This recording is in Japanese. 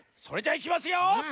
それじゃいきますよ。